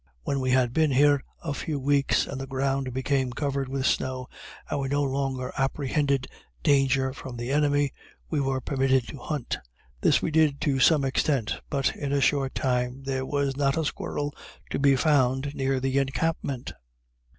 When we had been here a few weeks, and the ground became covered with snow, and we no longer apprehended danger from the enemy, we were permitted to hunt. This we did to some extent, but in a short time there was not a squirrel to be found near the encampment.